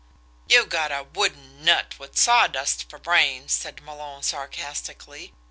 "You got a wooden nut, with sawdust for brains," said Malone sarcastically.